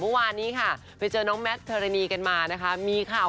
ไปฟังจากปากแมทเท่านี้กันเลยดีกว่า